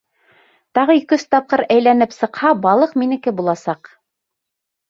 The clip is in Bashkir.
Тағы ике-өс тапҡыр әйләнеп сыҡһа, балыҡ минеке буласаҡ.